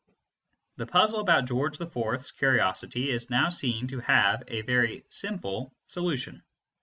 The puzzle about George IV's curiosity is now seen to have a very simple solution.